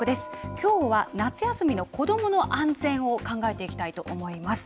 きょうは夏休みの子どもの安全を考えていきたいと思います。